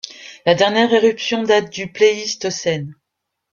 La dernière éruption date du Pléistocène.